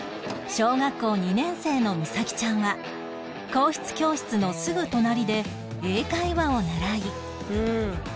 小学校２年生の美紗姫ちゃんは硬筆教室のすぐ隣で英会話を習い